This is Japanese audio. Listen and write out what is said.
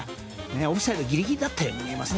オフサイドギリギリだったように見えますね。